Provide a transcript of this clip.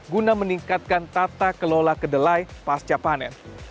guna meningkatkan tata kelola kedelai pasca panen